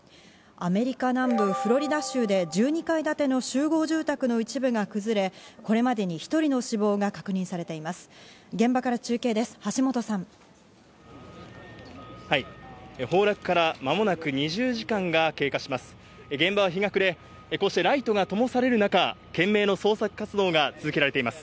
アメリカ南部フロリダ州で１２階建ての集合住宅の一部が崩れ、これまでに１人の死亡が確認されています。